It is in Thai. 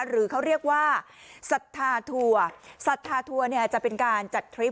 หรือเขาเรียกว่าสัทธาทัวร์